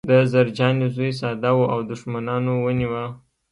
د زرجانې زوی ساده و او دښمنانو ونیوه